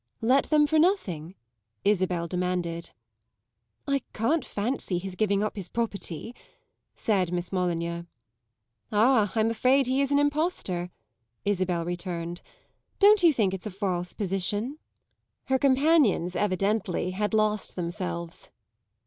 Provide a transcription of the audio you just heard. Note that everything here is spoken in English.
"Let them for nothing?" Isabel demanded. "I can't fancy his giving up his property," said Miss Molyneux. "Ah, I'm afraid he is an impostor!" Isabel returned. "Don't you think it's a false position?" Her companions, evidently, had lost themselves.